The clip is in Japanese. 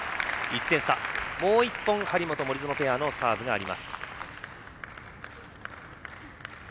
もう１本、張本、森薗ペアのサーブがあります。